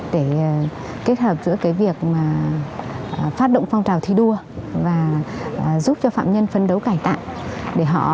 để kết hợp giữa việc phát động phong trào thi đua và giúp cho phạm nhân phân đấu cải tạo